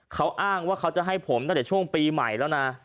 เขาอ้างว่าเขาจะให้ผมตั้งแต่ช่วงปีใหม่แล้วนะ